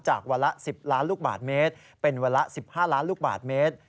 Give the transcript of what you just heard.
วันละ๑๐ล้านลูกบาทเมตรเป็นวันละ๑๕ล้านลูกบาทเมตร